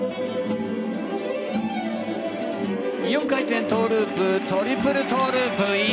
４回転トウループトリプルトウループ。